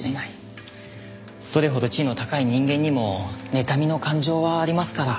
どれほど地位の高い人間にもねたみの感情はありますから。